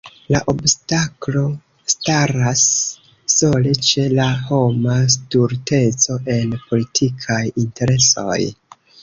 La obstaklo staras sole ĉe la homa stulteco en politikaj interesoj.